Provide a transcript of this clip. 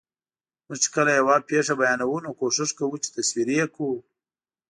موږ چې کله یوه پېښه بیانوو، نو کوښښ کوو چې تصویري یې کړو.